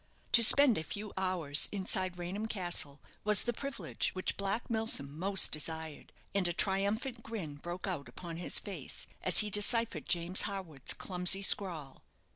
To spend a few hours inside Raynham Castle was the privilege which Black Milsom most desired, and a triumphant grin broke out upon his face, as he deciphered James Harwood's clumsy scrawl.